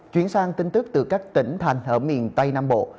chuyển sang tin tức từ các tỉnh thành ở miền tây nam bộ